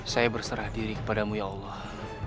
saya berserah diri kepadamu ya allah